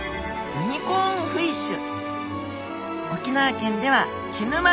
ユニコーンフィッシュ。